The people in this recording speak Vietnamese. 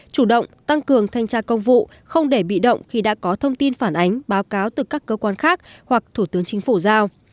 chủ động tăng cường thanh tra công vụ không để bị động khi đã có thông tin phản ánh báo cáo từ các cơ quan khác hoặc thủ tướng chính phủ giao